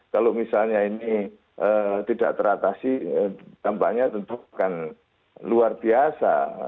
kalau misalnya ini tidak teratasi dampaknya tentu akan luar biasa